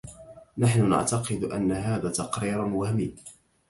نحن نعتقد أن هذا تقرير وهمي.